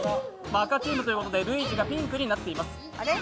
赤チームということでルイージがピンクになっています。